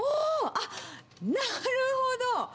あっ、なるほど！